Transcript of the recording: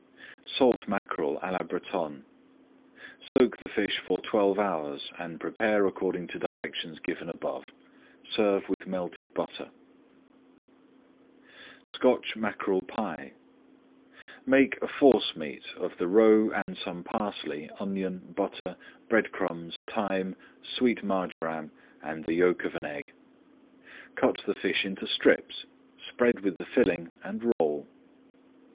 SALT MACKEREL À LA BRETONNE Soak the fish for twelve hours and prepare according to directions given above. Serve with melted butter. [Page 229] SCOTCH MACKEREL PIE Make a forcemeat of the roe and some parsley, onion, butter, bread crumbs, thyme, sweet marjoram, and the yolk of an egg. Cut the fish into strips, spread with the filling, and roll.